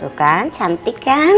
tuh kan cantik kan